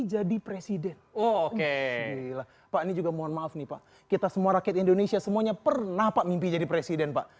jadi presiden oke pak ini juga mohon maaf nih pak kita semua rakyat indonesia semuanya pernah pak mimpi jadi presiden pak